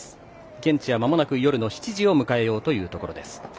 現地はまもなく夜の７時を迎えようというところ。